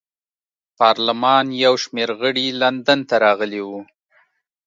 پارلمان یو شمېر غړي لندن ته راغلي وو.